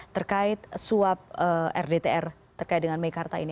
terkait suap rdtr terkait dengan meikarta ini